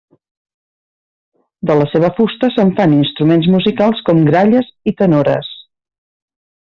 De la seva fusta se'n fan instruments musicals com gralles i tenores.